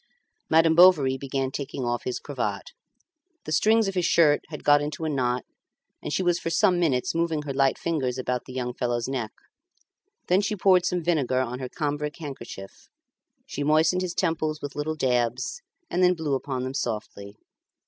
Madame Bovary began taking off his cravat. The strings of his shirt had got into a knot, and she was for some minutes moving her light fingers about the young fellow's neck. Then she poured some vinegar on her cambric handkerchief; she moistened his temples with little dabs, and then blew upon them softly.